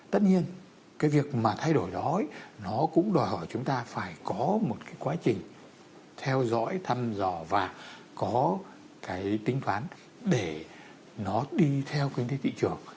tất nhiên cái việc mà thay đổi đó nó cũng đòi hỏi chúng ta phải có một cái quá trình theo dõi thăm dò và có cái tính toán để nó đi theo kinh tế thị trường